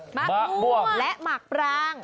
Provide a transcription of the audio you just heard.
มะม่วงและหมากปราง